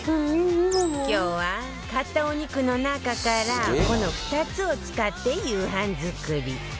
今日は買ったお肉の中からこの２つを使って夕飯作り